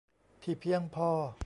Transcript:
ที่เพียงพอ